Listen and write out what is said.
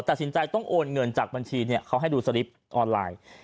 ตัดสินใจต้องโอนเงินจากบัญชีเนี่ยเขาให้ดูสลิปออนไลน์